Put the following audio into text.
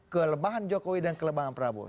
kelemahan jokowi dan kelemahan prabowo